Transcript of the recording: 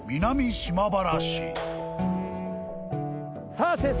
さあ先生